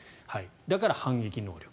だから反撃能力。